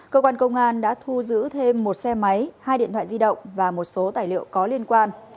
cơ quan công an đã thu giữ thêm một xe máy hai điện thoại di động và một số tài liệu có liên quan